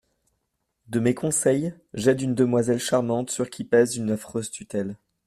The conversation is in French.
De mes conseils j’aide une demoiselle Charmante, sur qui pèse une affreuse tutelle.